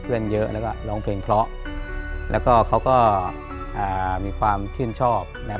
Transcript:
เยอะแล้วก็ร้องเพลงเพราะแล้วก็เขาก็อ่ามีความชื่นชอบนะครับ